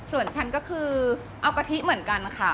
ส่วนฉันก็คือเอากะทิเหมือนกันค่ะ